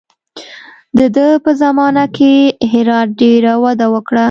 د ده په زمانه کې هرات ډېره وده وکړه.